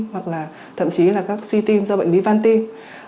hoặc là thậm chí là các suy tim do bệnh lý van tim